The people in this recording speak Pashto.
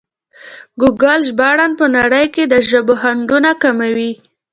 ګوګل ژباړن په نړۍ کې د ژبو خنډونه کموي.